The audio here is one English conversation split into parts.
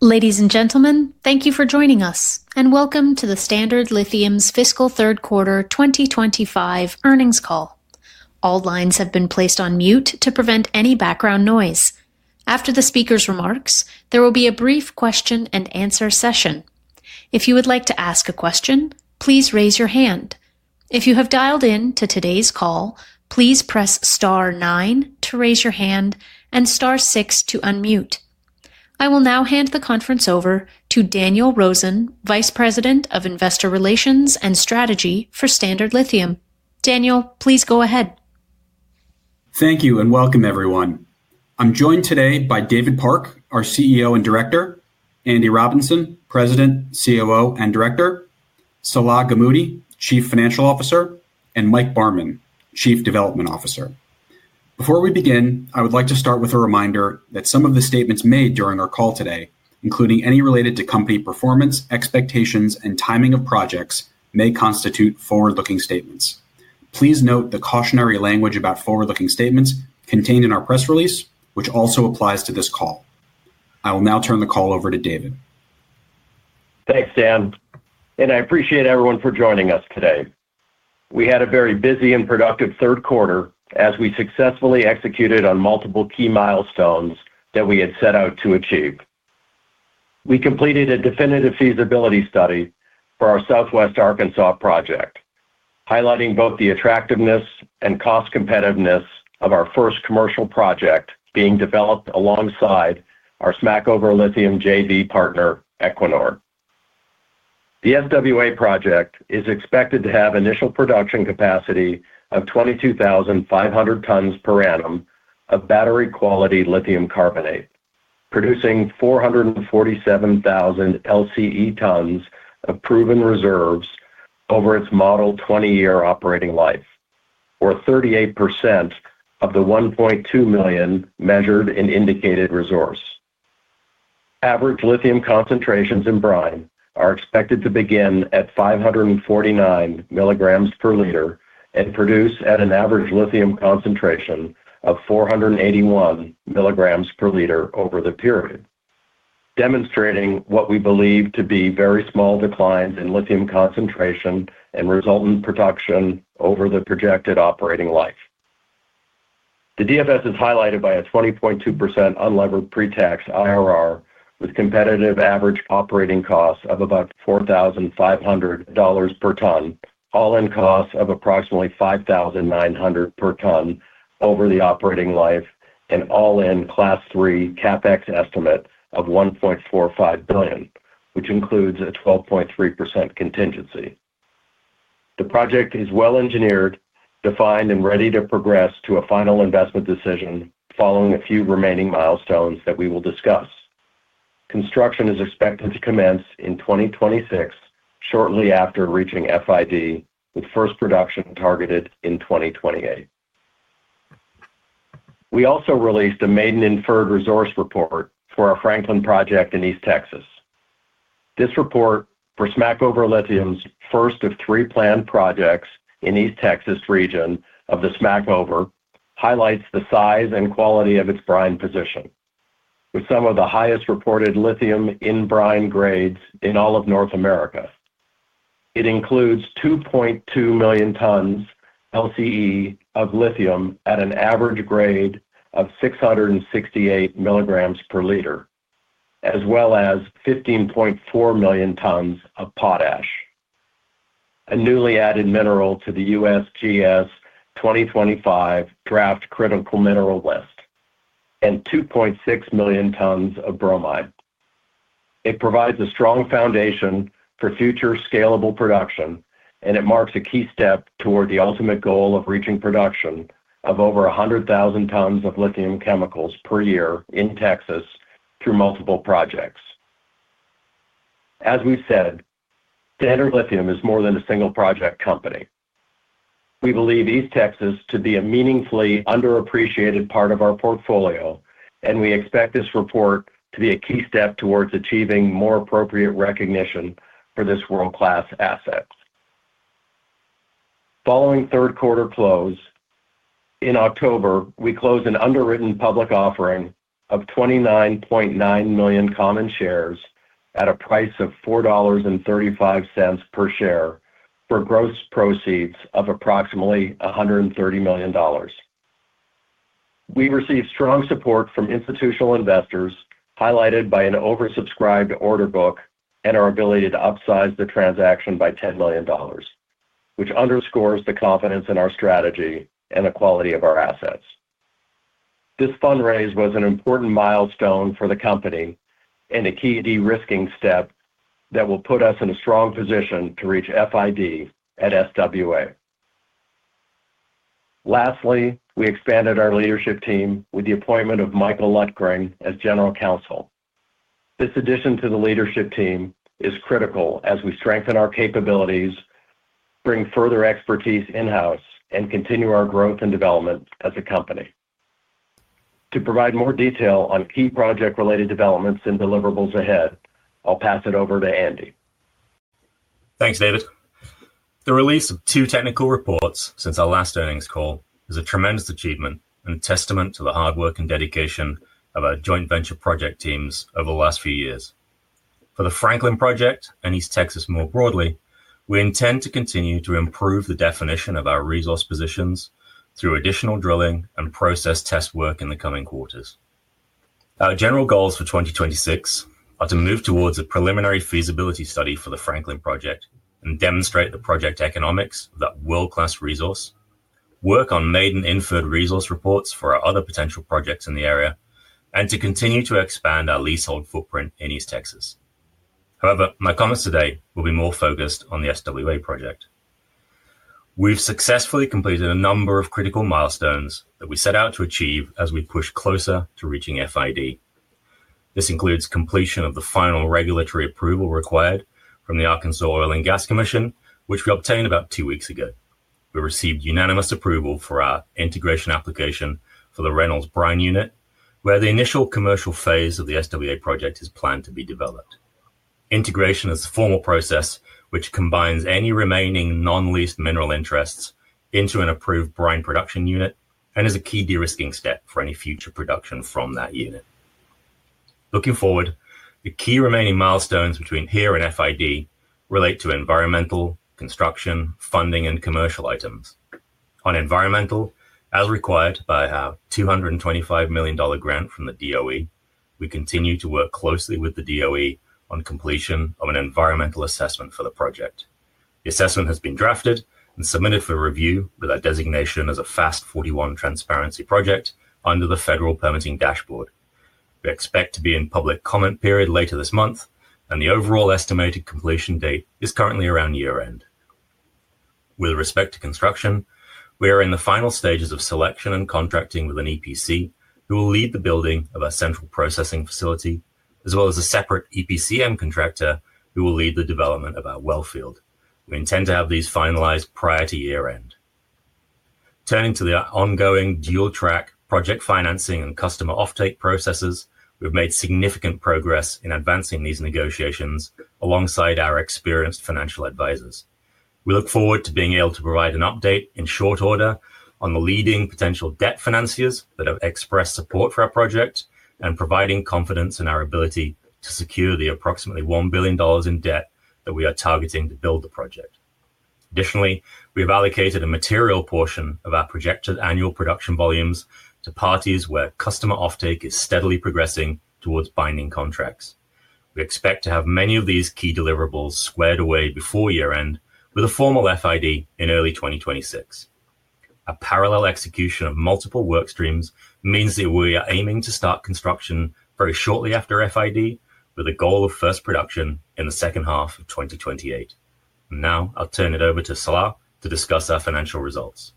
Ladies and gentlemen, thank you for joining us, and welcome to the Standard Lithium's fiscal third quarter 2025 earnings call. All lines have been placed on mute to prevent any background noise. After the speaker's remarks, there will be a brief question-and-answer session. If you would like to ask a question, please raise your hand. If you have dialed in to today's call, please press star nine to raise your hand and star six to unmute. I will now hand the conference over to Daniel Rosen, Vice President of Investor Relations and Strategy for Standard Lithium. Daniel, please go ahead. Thank you and welcome, everyone. I'm joined today by David Park, our CEO and Director; Andy Robinson, President, COO, and Director; Salah Gamoudi, Chief Financial Officer; and Mike Barman, Chief Development Officer. Before we begin, I would like to start with a reminder that some of the statements made during our call today, including any related to company performance, expectations, and timing of projects, may constitute forward-looking statements. Please note the cautionary language about forward-looking statements contained in our press release, which also applies to this call. I will now turn the call over to David. Thanks, Dan. I appreciate everyone for joining us today. We had a very busy and productive third quarter as we successfully executed on multiple key milestones that we had set out to achieve. We completed a definitive feasibility study for our South West Arkansas Project, highlighting both the attractiveness and cost competitiveness of our first commercial project being developed alongside our Smackover Lithium JV partner, Equinor. The SWA project is expected to have initial production capacity of 22,500 tons per annum of battery-quality lithium carbonate, producing 447,000 LCE tons of proven reserves over its model 20-year operating life, or 38% of the 1.2 million measured and indicated resource. Average lithium concentrations in brine are expected to begin at 549 mg/L and produce at an average lithium concentration of 481 mg/L over the period, demonstrating what we believe to be very small declines in lithium concentration and resultant production over the projected operating life. The DFS is highlighted by a 20.2% unlevered pre-tax IRR with competitive average operating costs of about $4,500 per ton, all-in costs of approximately $5,900 per ton over the operating life, and all-in class three CapEx estimate of $1.45 billion, which includes a 12.3% contingency. The project is well-engineered, defined, and ready to progress to a final investment decision following a few remaining milestones that we will discuss. Construction is expected to commence in 2026, shortly after reaching FID, with first production targeted in 2028. We also released a maiden inferred resource report for our Franklin pPoject in East Texas. This report, for Smackover Lithium's first of three planned projects in the East Texas region of the Smackover, highlights the size and quality of its brine position, with some of the highest reported lithium in brine grades in all of North America. It includes 2.2 million tons LCE of lithium at an average grade of 668 mg/L, as well as 15.4 million tons of potash, a newly added mineral to the USGS 2025 draft critical mineral list, and 2.6 million tons of bromide. It provides a strong foundation for future scalable production, and it marks a key step toward the ultimate goal of reaching production of over 100,000 tons of lithium chemicals per year in Texas through multiple projects. As we've said, Standard Lithium is more than a single project company. We believe East Texas to be a meaningfully underappreciated part of our portfolio, and we expect this report to be a key step towards achieving more appropriate recognition for this world-class asset. Following third quarter close, in October, we closed an underwritten public offering of 29.9 million common shares at a price of $4.35 per share for gross proceeds of approximately $130 million. We received strong support from institutional investors highlighted by an oversubscribed order book and our ability to upsize the transaction by $10 million, which underscores the confidence in our strategy and the quality of our assets. This fundraise was an important milestone for the company and a key de-risking step that will put us in a strong position to reach FID at SWA. Lastly, we expanded our leadership team with the appointment of Michael Lutgring as General Counsel. This addition to the leadership team is critical as we strengthen our capabilities, bring further expertise in-house, and continue our growth and development as a company. To provide more detail on key project-related developments and deliverables ahead, I'll pass it over to Andy. Thanks, David. The release of two technical reports since our last earnings call is a tremendous achievement and a testament to the hard work and dedication of our joint venture project teams over the last few years. For the Franklin project and East Texas more broadly, we intend to continue to improve the definition of our resource positions through additional drilling and process test work in the coming quarters. Our general goals for 2026 are to move towards a preliminary feasibility study for the Franklin Project and demonstrate the project economics of that world-class resource, work on maiden-inferred resource reports for our other potential projects in the area, and to continue to expand our leasehold footprint in East Texas. However, my comments today will be more focused on the SWA project. We've successfully completed a number of critical milestones that we set out to achieve as we push closer to reaching FID. This includes completion of the final regulatory approval required from the Arkansas Oil and Gas Commission, which we obtained about two weeks ago. We received unanimous approval for our integration application for the Reynolds Brine Unit, where the initial commercial phase of the SWA project is planned to be developed. Integration is a formal process which combines any remaining non-leased mineral interests into an approved brine production unit and is a key de-risking step for any future production from that unit. Looking forward, the key remaining milestones between here and FID relate to environmental, construction, funding, and commercial items. On environmental, as required by our $225 million grant from the DOE, we continue to work closely with the DOE on completion of an environmental assessment for the project. The assessment has been drafted and submitted for review with our designation as a FAST-41 transparency project under the federal permitting dashboard. We expect to be in public comment period later this month, and the overall estimated completion date is currently around year-end. With respect to construction, we are in the final stages of selection and contracting with an EPC who will lead the building of our central processing facility, as well as a separate EPCM contractor who will lead the development of our well field. We intend to have these finalized prior to year-end. Turning to the ongoing dual-track project financing and customer offtake processes, we've made significant progress in advancing these negotiations alongside our experienced financial advisors. We look forward to being able to provide an update in short order on the leading potential debt financiers that have expressed support for our project and providing confidence in our ability to secure the approximately $1 billion in debt that we are targeting to build the project. Additionally, we have allocated a material portion of our projected annual production volumes to parties where customer offtake is steadily progressing towards binding contracts. We expect to have many of these key deliverables squared away before year-end with a formal FID in early 2026. A parallel execution of multiple work streams means that we are aiming to start construction very shortly after FID, with a goal of first production in the second half of 2028. Now, I'll turn it over to Salah to discuss our financial results.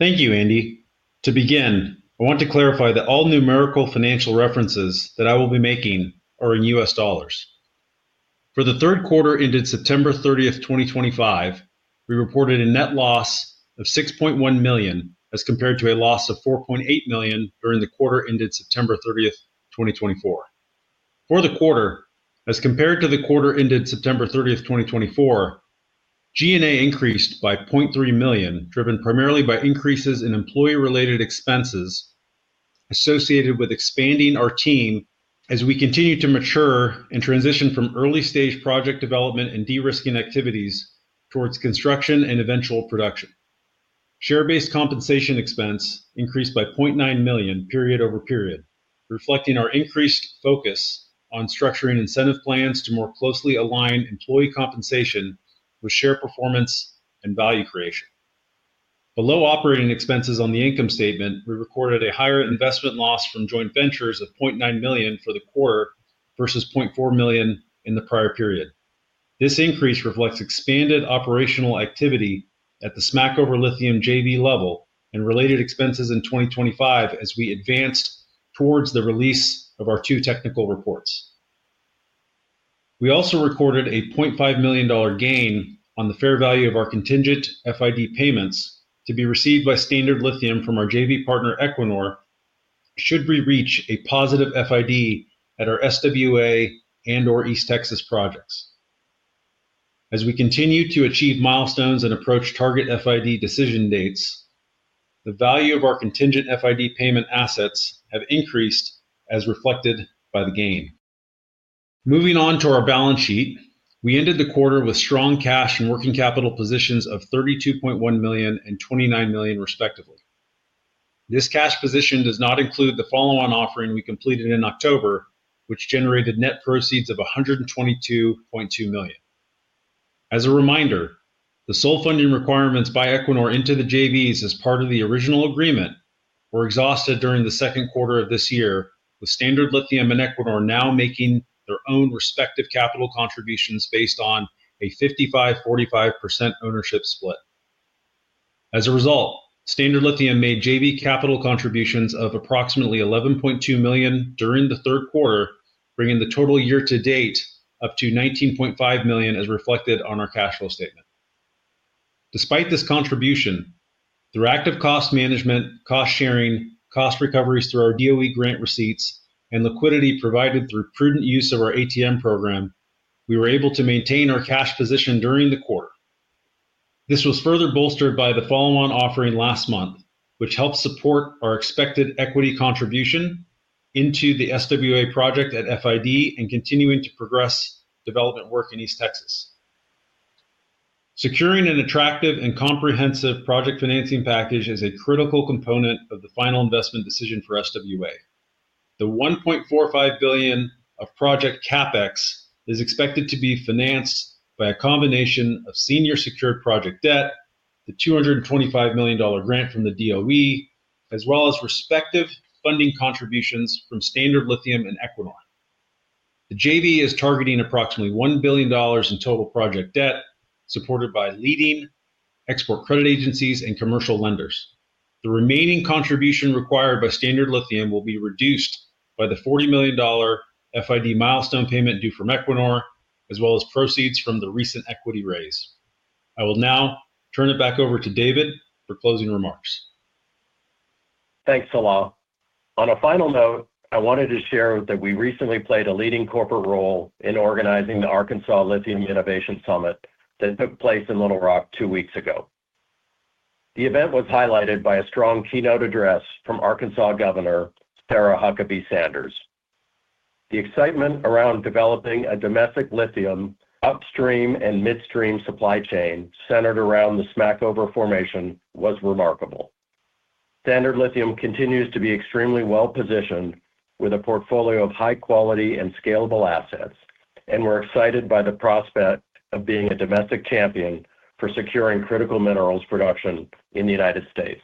Thank you, Andy. To begin, I want to clarify that all numerical financial references that I will be making are in U.S. dollars. For the third quarter ended September 30th, 2025, we reported a net loss of $6.1 million as compared to a loss of $4.8 million during the quarter ended September 30th, 2024. For the quarter, as compared to the quarter ended September 30th, 2024, G&A increased by $0.3 million, driven primarily by increases in employee-related expenses associated with expanding our team as we continue to mature and transition from early-stage project development and de-risking activities towards construction and eventual production. Share-based compensation expense increased by $0.9 million period over period, reflecting our increased focus on structuring incentive plans to more closely align employee compensation with share performance and value creation. Below operating expenses on the income statement, we recorded a higher investment loss from joint ventures of $0.9 million for the quarter versus $0.4 million in the prior period. This increase reflects expanded operational activity at the Smackover Lithium JV level and related expenses in 2025 as we advanced towards the release of our two technical reports. We also recorded a $0.5 million gain on the fair value of our contingent FID payments to be received by Standard Lithium from our JV partner, Equinor, should we reach a positive FID at our SWA and/or East Texas projects. As we continue to achieve milestones and approach target FID decision dates, the value of our contingent FID payment assets have increased as reflected by the gain. Moving on to our balance sheet, we ended the quarter with strong cash and working capital positions of $32.1 million and $29 million, respectively. This cash position does not include the follow-on offering we completed in October, which generated net proceeds of $122.2 million. As a reminder, the sole funding requirements by Equinor into the JVs as part of the original agreement were exhausted during the second quarter of this year, with Standard Lithium and Equinor now making their own respective capital contributions based on a 55%-45% ownership split. As a result, Standard Lithium made JV capital contributions of approximately $11.2 million during the third quarter, bringing the total year-to-date up to $19.5 million as reflected on our cash flow statement. Despite this contribution, through active cost management, cost sharing, cost recoveries through our DOE grant receipts, and liquidity provided through prudent use of our ATM program, we were able to maintain our cash position during the quarter. This was further bolstered by the follow-on offering last month, which helped support our expected equity contribution into the SWA project at FID and continuing to progress development work in East Texas. Securing an attractive and comprehensive project financing package is a critical component of the final investment decision for SWA. The $1.45 billion of project CapEx is expected to be financed by a combination of senior secured project debt, the $225 million grant from the DOE, as well as respective funding contributions from Standard Lithium and Equinor. The JV is targeting approximately $1 billion in total project debt, supported by leading export credit agencies and commercial lenders. The remaining contribution required by Standard Lithium will be reduced by the $40 million FID milestone payment due from Equinor, as well as proceeds from the recent equity raise. I will now turn it back over to David for closing remarks. Thanks, Salah. On a final note, I wanted to share that we recently played a leading corporate role in organizing the Arkansas Lithium Innovation Summit that took place in Little Rock two weeks ago. The event was highlighted by a strong keynote address from Arkansas Governor Sarah Huckabee Sanders. The excitement around developing a domestic lithium upstream and midstream supply chain centered around the Smackover Formation was remarkable. Standard Lithium continues to be extremely well-positioned with a portfolio of high-quality and scalable assets, and we're excited by the prospect of being a domestic champion for securing critical minerals production in the United States.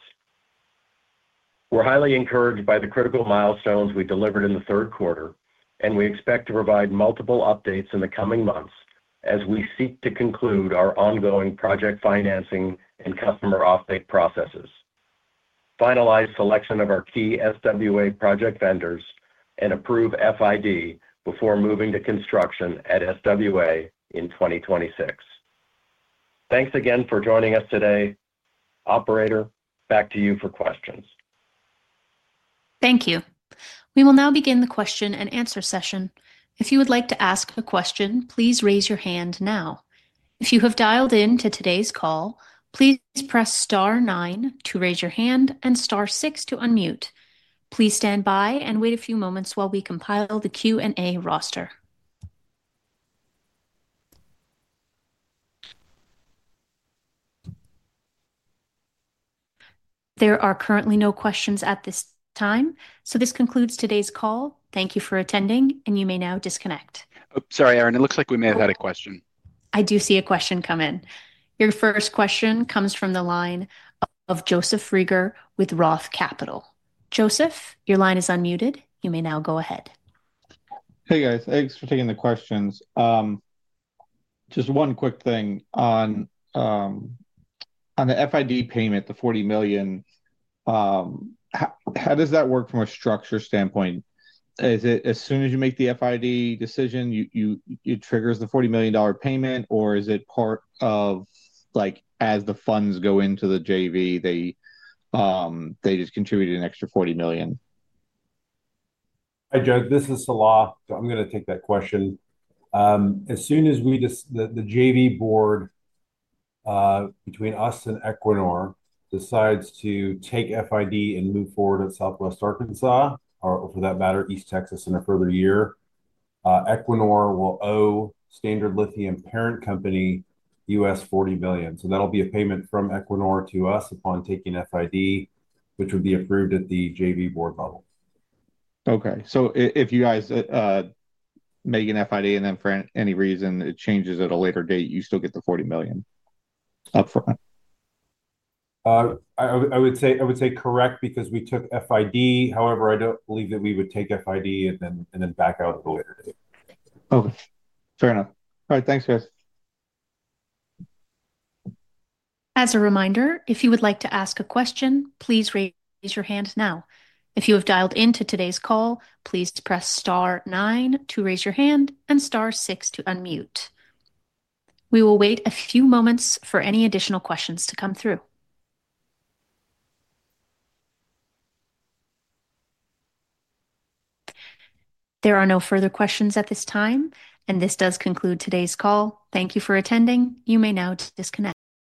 We're highly encouraged by the critical milestones we delivered in the third quarter, and we expect to provide multiple updates in the coming months as we seek to conclude our ongoing project financing and customer offtake processes, finalize selection of our key SWA project vendors, and approve FID before moving to construction at SWA in 2026. Thanks again for joining us today. Operator, back to you for questions. Thank you. We will now begin the question and answer session. If you would like to ask a question, please raise your hand now. If you have dialed into today's call, please press star nine to raise your hand and star six to unmute. Please stand by and wait a few moments while we compile the Q&A roster. There are currently no questions at this time, so this concludes today's call. Thank you for attending, and you may now disconnect. Oh, sorry, Aaron. It looks like we may have had a question. I do see a question come in. Your first question comes from the line of Joseph Reagor with Roth Capital. Joseph, your line is unmuted. You may now go ahead. Hey, guys. Thanks for taking the questions. Just one quick thing. On the FID payment, the $40 million, how does that work from a structure standpoint? Is it as soon as you make the FID decision, it triggers the $40 million payment, or is it part of, as the funds go into the JV, they just contribute an extra $40 million? Hi, Judge. This is Salah, so I'm going to take that question. As soon as the JV board, between us and Equinor, decides to take FID and move forward at South West Arkansas, or for that matter, East Texas in a further year, Equinor will owe Standard Lithium parent company $40 million. That'll be a payment from Equinor to us upon taking FID, which would be approved at the JV board level. Okay. So if you guys make an FID and then for any reason it changes at a later date, you still get the $40 million upfront? I would say correct because we took FID. However, I don't believe that we would take FID and then back out at a later date. Okay. Fair enough. All right. Thanks, guys. As a reminder, if you would like to ask a question, please raise your hand now. If you have dialed into today's call, please press star nine to raise your hand and star six to unmute. We will wait a few moments for any additional questions to come through. There are no further questions at this time, and this does conclude today's call. Thank you for attending. You may now disconnect.